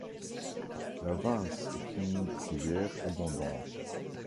La Vence est une rivière abondante.